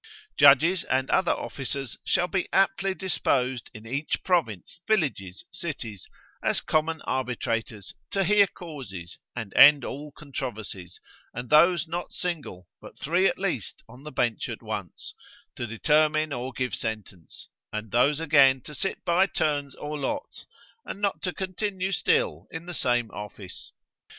Judges and other officers shall be aptly disposed in each province, villages, cities, as common arbitrators to hear causes, and end all controversies, and those not single, but three at least on the bench at once, to determine or give sentence, and those again to sit by turns or lots, and not to continue still in the same office.